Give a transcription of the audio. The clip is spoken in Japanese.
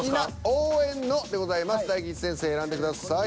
大吉先生選んでください。